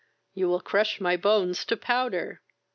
you will crush my bones to powder!"